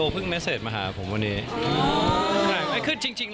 พี่